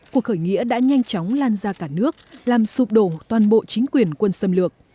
cuộc khởi nghĩa đã nhanh chóng lan ra cả nước làm sụp đổ toàn bộ chính quyền quân xâm lược